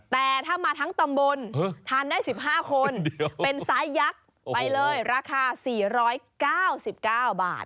แต่ถ้ามาทั้งตำบลทานได้๑๕คนเป็นไซส์ยักษ์ไปเลยราคา๔๙๙บาท